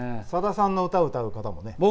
さださんの歌を歌う方もね。